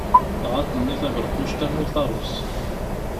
Taɣaṭ-nni taberquct am uṭarus.